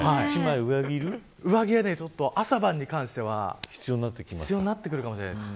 上着は朝晩に関しては必要になってくるかもしれません。